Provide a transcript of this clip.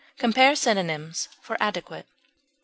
(Compare synonyms for ADEQUATE.)